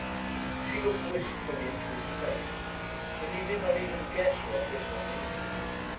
She looked wistfully into his face, but he did not even guess what was her meaning.